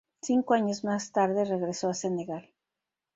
Cinco años más tarde regresó a Senegal.